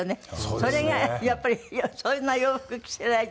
それがやっぱりそんな洋服着せられて。